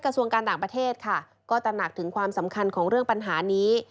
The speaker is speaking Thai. กระทรวงการต่างประเทศค่ะก็ตระหนักถึงความสำคัญของเรื่องปัญหานี้